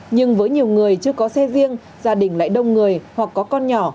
nhưng với nhiều người chưa có xe riêng gia đình lại đông người hoặc có con nhỏ